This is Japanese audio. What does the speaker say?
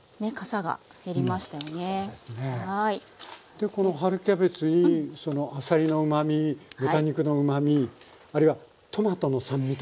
でこの春キャベツにあさりのうまみ豚肉のうまみあるいはトマトの酸味とか？